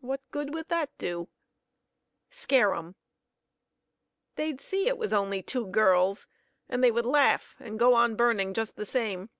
"What good would that do?" "Scare 'em." "They'd see it was only two girls, and they would laugh and go on burning just the same."